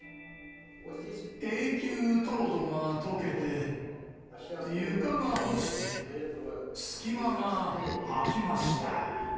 永久凍土がとけて、床が落ちて隙間が空きました。